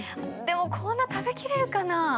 でもこんな食べきれるかな？